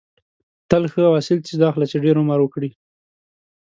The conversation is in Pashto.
تل ښه او اصیل څیز اخله چې ډېر عمر وکړي.